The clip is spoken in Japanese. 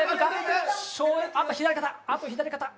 あと左肩。